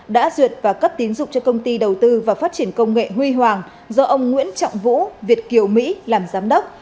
đã duyệt và cấp tín dụng cho công ty đầu tư và phát triển công nghệ huy hoàng do ông nguyễn trọng vũ việt kiều mỹ làm giám đốc